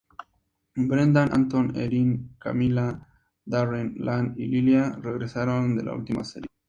Brendan, Anton, Erin, Camilla, Darren, Ian y Lilia regresaron de la última serie.